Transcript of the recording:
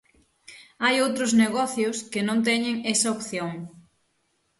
Hai outros negocios que non teñen esa opción.